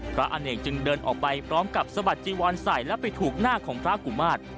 อเนกจึงเดินออกไปพร้อมกับสะบัดจีวอนใส่และไปถูกหน้าของพระกุมาตร